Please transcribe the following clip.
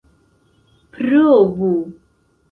provu